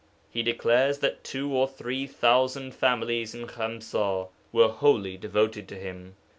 He declares that two or three thousand families in Khamsa were wholly devoted to him.